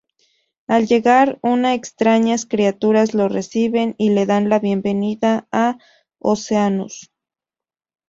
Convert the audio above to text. Al llegar, una extrañas criaturas lo reciben y le dan la bienvenida a Oceanus.